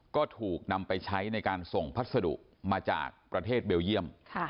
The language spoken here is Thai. ก็ถูกนำไปใช้ในการส่งพัสดุมาจากประเทศเบลเยี่ยม